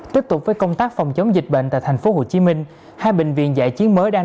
tiếp tục với công tác phòng chống dịch bệnh tại tp hcm hai bệnh viện giải chiến mới đang